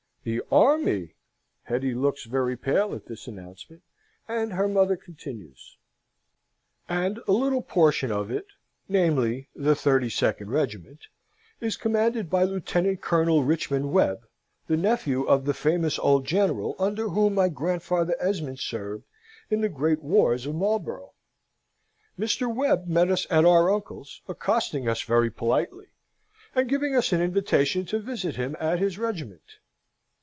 The army! Hetty looks very pale at this announcement, and her mother continues: "'And a little portion of it, namely, the thirty second regiment, is commanded by Lieutenant Colonel Richmond Webb the nephew of the famous old General under whom my grandfather Esmond served in the great wars of Marlborough. Mr. Webb met us at our uncle's, accosting us very politely, and giving us an invitation to visit him at his regiment.